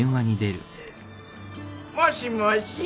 もしもし？